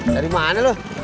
dari mana lu